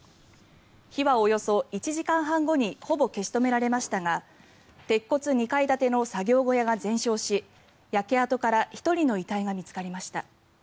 火はおよそ１時間半後にほぼ消し止められましたが鉄骨２階建ての作業小屋が全焼し焼け跡から１人の遺体が見つかりました。